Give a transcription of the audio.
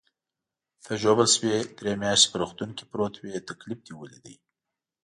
ته ژوبل شوې، درې میاشتې په روغتون کې پروت وې، تکلیف دې ولید.